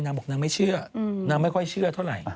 นางบอกนางไม่เชื่อนางไม่ค่อยเชื่อเท่าไหร่